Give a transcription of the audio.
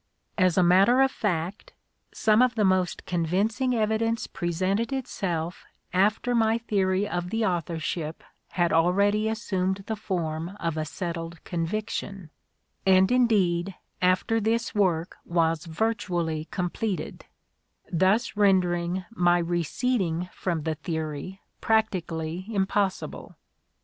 As a matter of fact, some of the most convincing evidence presented itself after my theory of the authorship had already assumed the form of a settled conviction, and indeed after this work was virtuaDy completed ; thus rendering my receding from the theory practically impossible.